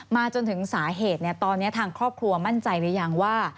จนถึงสาเหตุตอนนี้ทางครอบครัวมั่นใจหรือยังว่า